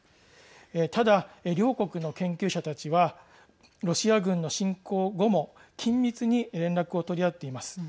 ただ、両国の研究者たちはロシア軍の侵攻後も緊密に連絡を取り合っています。